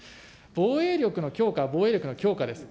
防衛力の強化は防衛力の強化です。